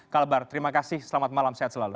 kabar terima kasih selamat malam sehat selalu